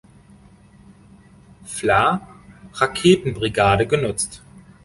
Fla-Raketenbrigade genutzt.